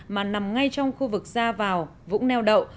mà nằm ngay trong khu vực ra vào vũng neo đậu